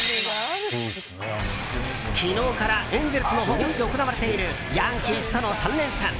昨日からエンゼルスの本拠地で行われているヤンキースとの３連戦。